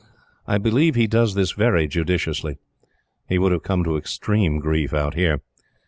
I believe he does this very judiciously. He would have come to extreme grief out here.